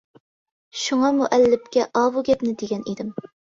شۇڭا مۇئەللىپكە ئاۋۇ گەپنى دېگەن ئىدىم.